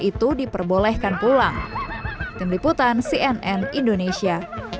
itu diperbolehkan pulang tim liputan cnn indonesia